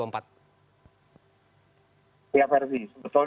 untuk suksesi kepemimpinan nasional